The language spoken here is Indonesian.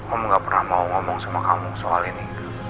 kamu gak pernah mau ngomong sama kamu soal ini